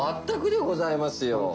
全くでございますよ。